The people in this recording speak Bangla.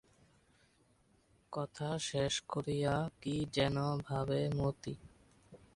কথা শেষ করিয়া কী যেন ভাবে মতি।